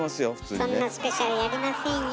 そんなスペシャルやりませんよ。